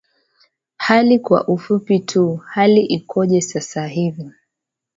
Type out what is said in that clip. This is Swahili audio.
hali kwa ufupi tu hali ikoje sasa hivi